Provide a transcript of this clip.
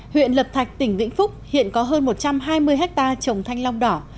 huyện lập thạch tỉnh vĩnh phúc hiện có hơn một trăm hai mươi hectare trồng thanh long đỏ